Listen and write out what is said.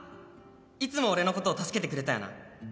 いつも俺のこと助けてくれたよな」